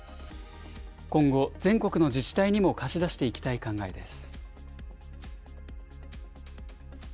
今後、全国の自治体にも貸し出していきたい考えです。